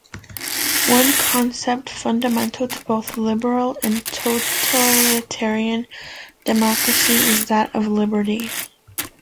One concept fundamental to both "liberal" and "totalitarian" democracy is that of liberty.